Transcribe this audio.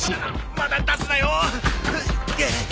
まだ出すなよ！